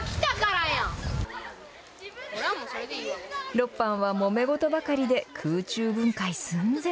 ６班はもめ事ばかりで空中分解寸前。